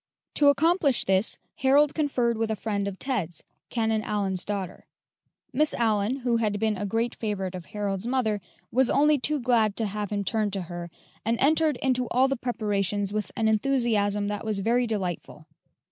To accomplish this, Harold conferred with a friend of Ted's, Canon Allyn's daughter. Miss Allyn, who had been a great favorite of Harold's mother, was only too glad to have him turn to her, and entered into all the preparations with an enthusiasm that was very delightful.